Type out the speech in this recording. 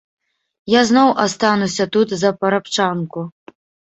Я зноў астануся тут за парабчанку.